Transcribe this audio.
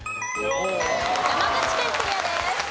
山口県クリアです。